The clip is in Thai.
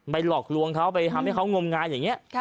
หลอกลวงเขาไปทำให้เขางมงายอย่างนี้